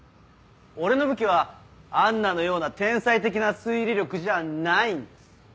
俺の武器はアンナのような天才的な推理力じゃないんです。